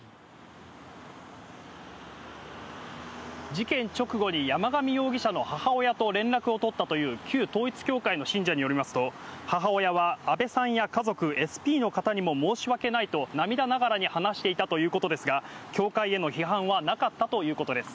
事件直後に山上容疑者の母親と連絡を取ったという旧統一教会の信者によりますと、母親は安倍さんや家族、ＳＰの方にも申し訳ないと、涙ながらに話していたということですが、教会への批判はなかったということです。